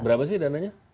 berapa sih dananya